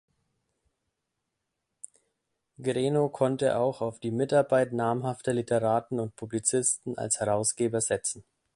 Greno konnte auch auf die Mitarbeit namhafter Literaten und Publizisten als Herausgeber setzen.